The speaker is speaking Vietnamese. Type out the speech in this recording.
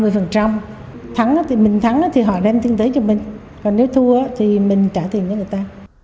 thắng thì mình thắng thì họ đem kinh tế cho mình còn nếu thua thì mình trả tiền cho người ta